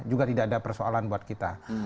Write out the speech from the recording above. juga tidak ada persoalan buat kita